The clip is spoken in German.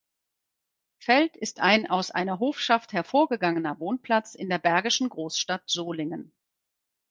Feld ist ein aus einer Hofschaft hervorgegangener Wohnplatz in der bergischen Großstadt Solingen.